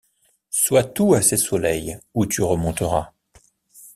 Sois tout à ces soleils où tu remonteras!